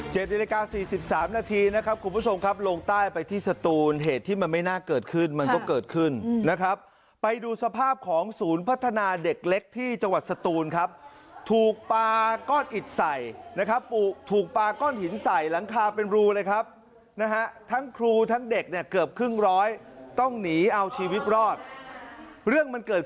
นาฬิกาสี่สิบสามนาทีนะครับคุณผู้ชมครับลงใต้ไปที่สตูนเหตุที่มันไม่น่าเกิดขึ้นมันก็เกิดขึ้นนะครับไปดูสภาพของศูนย์พัฒนาเด็กเล็กที่จังหวัดสตูนครับถูกปลาก้อนอิดใส่นะครับถูกปลาก้อนหินใส่หลังคาเป็นรูเลยครับนะฮะทั้งครูทั้งเด็กเนี่ยเกือบครึ่งร้อยต้องหนีเอาชีวิตรอดเรื่องมันเกิด